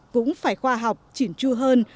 cũng phải khoa học chỉn chu hơn